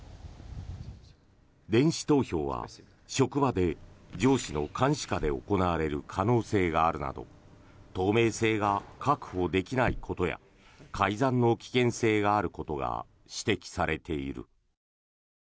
電子投票は職場で上司の監視下で行われる可能性があるなど透明性が確保できないことや改ざんの危険性があることが指摘されている。